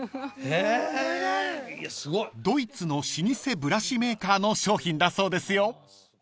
［ドイツの老舗ブラシメーカーの商品だそうですよ］